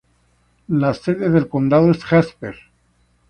La sede del condado es Jasper.